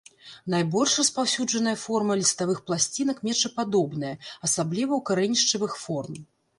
Найбольш распаўсюджаная форма ліставых пласцінак мечападобная, асабліва ў карэнішчавых форм.